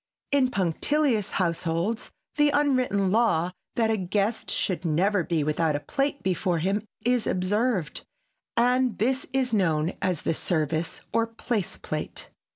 In punctilious households the unwritten law that a guest should never be without a plate before him is observed, and this is known as the service or place plate.